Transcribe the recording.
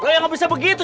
loh yang gak bisa begitu